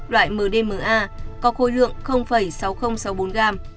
loại mdma có khối lượng sáu nghìn sáu mươi bốn gram